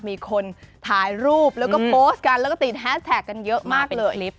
มีคนถ่ายรูปแล้วก็โพสต์กันแล้วก็ติดแฮสแท็กกันเยอะมากเลยลิฟต